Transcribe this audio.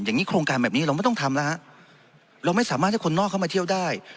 อย่างนี้โครงการแบบนี้เราไม่ต้องทำแล้วฮะเราไม่สามารถให้คนนอกเข้ามาเที่ยวได้